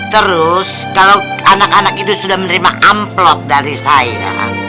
terus kalau anak anak itu sudah menerima amplop dari saya